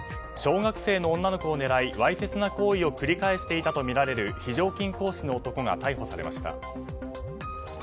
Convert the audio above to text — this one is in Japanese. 小学生の女の子を狙いわいせつな行為を繰り返していたとみられる非常勤講師の男が逮捕されました。